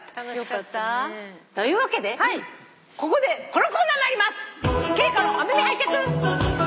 よかったね。というわけでここでこのコーナー参ります！